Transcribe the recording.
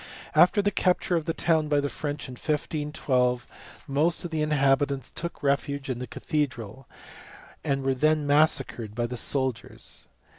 After the capture of the town by the French in 1512 most of the inhabit TAKTAGLIA. 221 ants took refuge in the cathedral, and were there massacred by the soldiers.